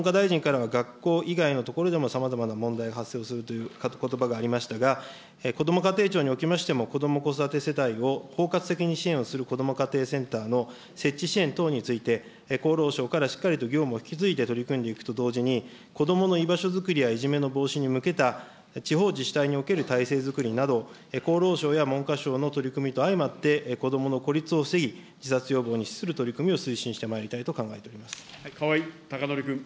また、文科大臣からは学校以外の所でも、さまざまな問題発生をするということばがありましたが、こども家庭庁におきましても、こども・子育て世代を包括的に支援するこども家庭センターの設置支援等について、厚労省からしっかりと業務を引き継いで取り組んでいくと同時に、子どもの居場所作りやいじめの防止に向けた、地方自治体における体制づくりなど、厚労省や文科省の取り組みと相まって、子どもの孤立を防ぎ、自殺予防に資する取り組みを推進して川合孝典君。